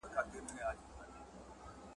پر هر قدم به سجدې کومه ,